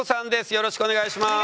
よろしくお願いします。